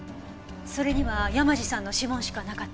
それには山路さんの指紋しかなかったけど。